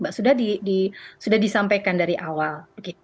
mbak sudah disampaikan dari awal